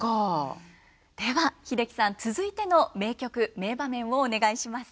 では英樹さん続いての名曲名場面をお願いします。